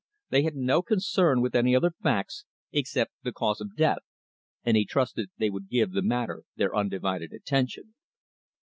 They had no concern with any other facts except the cause of death, and he trusted they would give the matter their undivided attention.